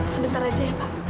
sebentar aja ya pak